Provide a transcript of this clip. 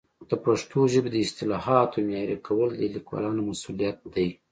د پښتو ژبې د اصطلاحاتو معیاري کول د لیکوالانو مسؤلیت دی.